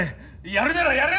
やるならやれ！